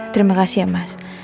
terimakasih ya mas